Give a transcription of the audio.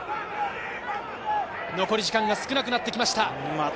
残り時間が少なくなってきました。